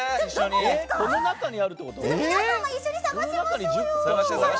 皆さんも一緒に探しましょうよ！